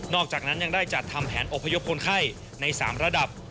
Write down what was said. อกจากนั้นยังได้จัดทำแผนอบพยพคนไข้ใน๓ระดับ